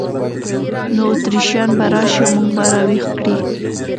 نو اتریشیان به راشي او موږ به را ویښ کړي.